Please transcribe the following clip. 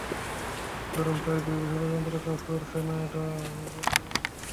সুতরাং তাঁর বিরুদ্ধে ষড়যন্ত্র কাজ করছে না, এটা বলতে পারছি না।